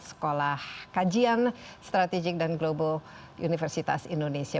sekolah kajian strategik dan global universitas indonesia